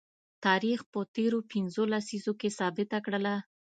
تاریخ په تیرو پنځو لسیزو کې ثابته کړله